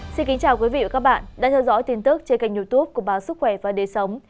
xin kính chào quý vị và các bạn đã theo dõi tin tức trên kênh youtube của báo sức khỏe và đời sống